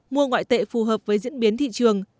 mua ngoại tệ phù hợp với diễn biến thị trường